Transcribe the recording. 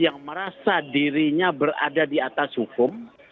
yang merasa dirinya berada di atas hukum